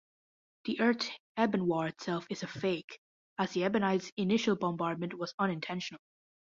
The Earth-Ebon war itself is a fake, as the Ebonites' initial bombardment was unintentional.